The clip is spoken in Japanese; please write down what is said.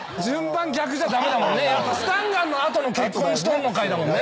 スタンガンの後の「結婚しとんのかい」だもんね。